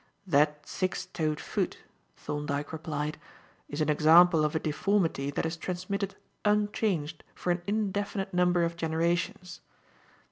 "That six toed foot," Thorndyke replied, "is an example of a deformity that is transmitted unchanged for an indefinite number of generations.